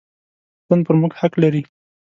وطن پر موږ حق لري.